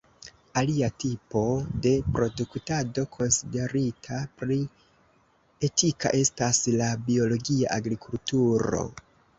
Alia tipo de produktado konsiderita pli etika estas la biologia agrikulturo.